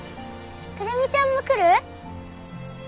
くるみちゃんも来る？